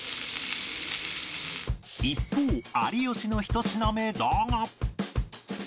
一方有吉の１品目だが